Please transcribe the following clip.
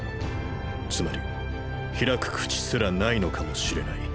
つまり「開く口」すらないのかもしれない。